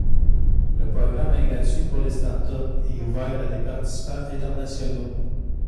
Le programme est gratuit pour les startups et ouvert à des participants internationaux.